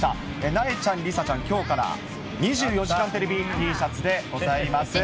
なえちゃん、梨紗ちゃん、きょうから２４時間テレビＴシャツでございます。